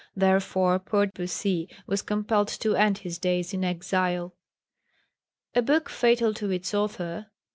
Therefore poor Bussy was compelled to end his days in exile. A book fatal to its author, M.